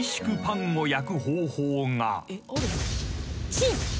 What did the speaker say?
チン！